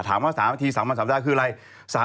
ถามว่า๓นาที๓วัน๓ดาคืออะไร